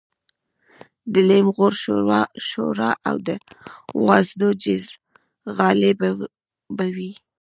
د لېم غوړ شوروا او د وازدو جیزغالي به وې.